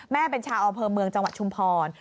เป็นชาวอำเภอเมืองจังหวัดชุมพร